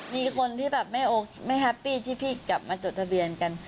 มีคนที่แบบไม่แฮปปี้ที่พี่กลับมาจดทะเบียนกัน